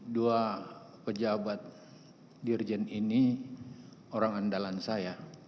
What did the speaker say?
dua pejabat dirjen ini orang andalan saya